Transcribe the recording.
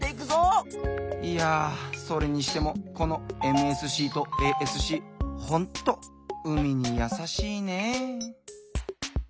いやそれにしてもこのＭＳＣとＡＳＣほんと海にやさしいね！